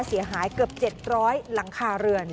เสียหายเกือบ๗๐๐หลังคาเรือน